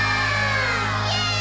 イエーイ！